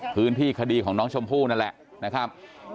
คดีคดีของน้องชมพู่นั่นแหละนะครับ